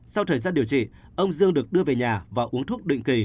sau thời gian điều trị ông dương được đưa về nhà và uống thuốc định kỳ